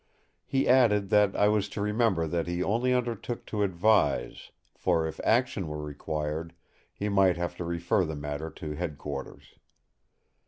He added that I was to remember that he only undertook to advise; for if action were required he might have to refer the matter to headquarters.